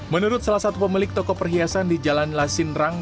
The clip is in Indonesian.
menurut salah satu pemilik toko perhiasan di jalan lasin rang